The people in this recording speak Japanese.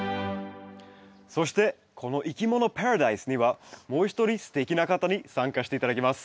そしてこの「いきものパラダイス」にはもう一人すてきな方に参加して頂きます。